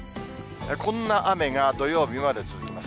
こんな雨が土曜日まで続きます。